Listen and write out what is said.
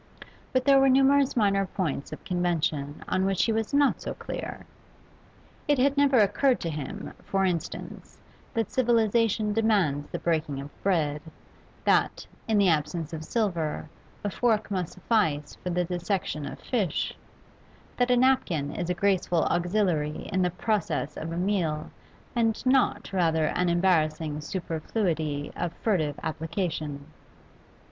But there were numerous minor points of convention on which he was not so clear; it had never occurred to him, for instance, that civilisation demands the breaking of bread, that, in the absence of silver, a fork must suffice for the dissection of fish, that a napkin is a graceful auxiliary in the process of a meal and not rather an embarrassing superfluity of furtive application.